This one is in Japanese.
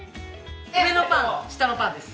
上のパン下のパンです。